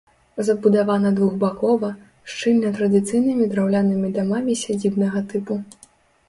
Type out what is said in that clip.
Забудавана двухбакова, шчыльна традыцыйнымі драўлянымі дамамі сядзібнага тыпу.